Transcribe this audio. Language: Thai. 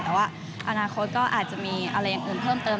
แต่ว่าอนาคตก็อาจจะมีอะไรอย่างอื่นเพิ่มเติม